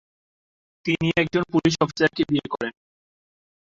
তিনি একজন পুলিশ অফিসারকে বিয়ে করেন।